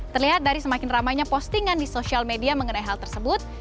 terlihat dari semakin ramainya postingan di sosial media mengenai hal tersebut